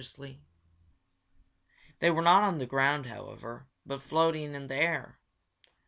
They were not on the ground, however, but floating in the air.